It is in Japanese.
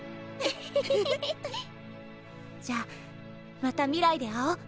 じゃあまた未来で会おう！